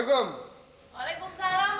dengan nama penciptaan currently